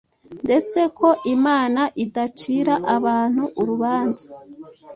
ndetse ko Imana idacira abantu urubanza